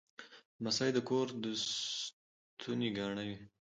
لمسی د کور د ستوني ګاڼه وي.